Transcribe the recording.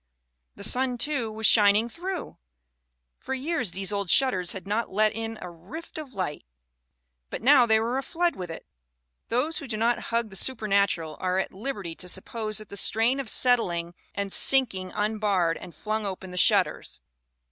The sun, too, was shining through. For years these old shutters had not let in a rift of light; but now they were aflood with it" Those who do not hug the supernatural are at liberty to suppose that the strain of settling and sinking unbarred and flung open the shutters.